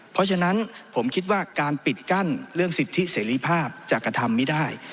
เพราะฉะนั้นผมคิดว่าการปิดกั้นเรื่องสิทธิเสรีภาพจะกระทำไม่ได้